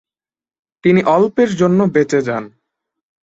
তিনি অল্পের জন্য বেঁচে যান।